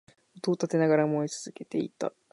音を立てながら燃え続けていた